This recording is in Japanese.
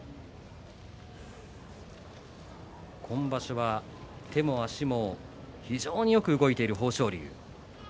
今場所は手も足も非常によく動いている豊昇龍。